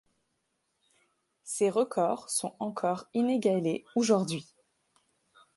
Ces records sont encore inégalés aujourd'hui.